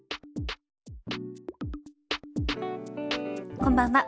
こんばんは。